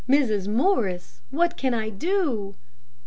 Mrs. Morris, what can I do?"